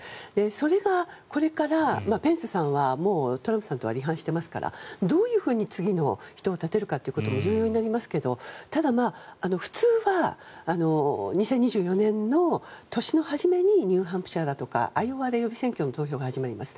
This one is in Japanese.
それがこれからペンスさんはトランプさんとは離反していますからどうやって次の人を立てるのかというのも重要になりますがただ、普通は２０２４年の年の初めにニューハンプシャーだとかアイオワで予備選挙の投票が始まります。